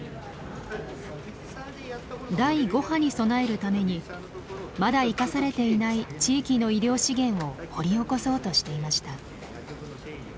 第５波に備えるためにまだ生かされていない地域の医療資源を掘り起こそうとしていました。